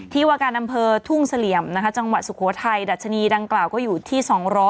วาการอำเภอทุ่งเสลี่ยมจังหวัดสุโขทัยดัชนีดังกล่าวก็อยู่ที่๒๐๐